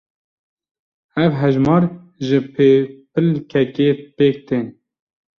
Ev hejmar ji pêpilkekê pêk tên.